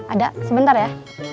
ada sebentar ya